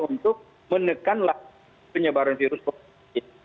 untuk menekanlah penyebaran virus covid sembilan belas